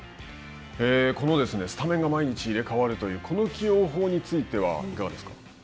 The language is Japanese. このスタメンが毎日入れ替わるというこの起用法についてはいかがですか。